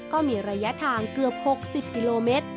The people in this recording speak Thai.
ก็มีระยะทางเกือบ๖๐กิโลเมตร